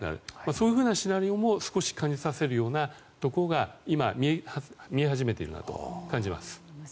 そういうふうなシナリオも少し感じさせるところが今、見え始めているなと感じます。